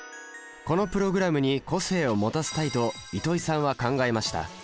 このプログラムに個性を持たせたいと糸井さんは考えました。